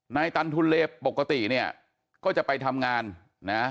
ตันทุนเลปกติเนี่ยก็จะไปทำงานนะ